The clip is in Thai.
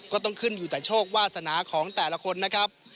ก็ต้องขึ้นอยู่แต่โชควาสนาของแต่ละคนนะครับ